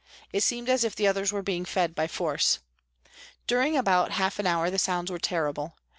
It seemed as if the others were being fed by force. During about half an hour the sounds were terrible.